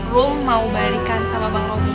rum mau balikan sama bang robby